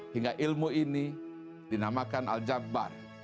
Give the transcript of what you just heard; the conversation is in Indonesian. hingga ilmu ini dinamakan aljabar